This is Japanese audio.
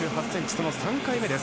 その３回目です。